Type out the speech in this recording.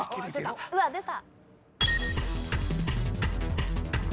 うわっ出た。